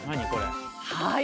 はい。